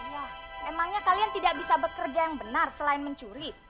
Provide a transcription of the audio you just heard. ya emangnya kalian tidak bisa bekerja yang benar selain mencuri